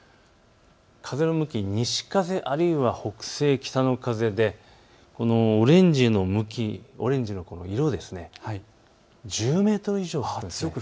風の向き、西風、あるいは北西、北の風でオレンジの色、１０メートル以上あるんです。